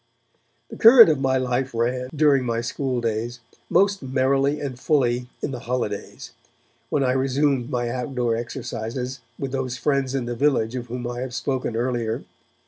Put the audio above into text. The current of my life ran, during my schooldays, most merrily and fully in the holidays, when I resumed my outdoor exercises with those friends in the village of whom I have spoken earlier.